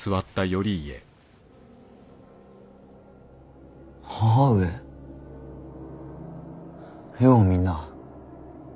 ようみんな。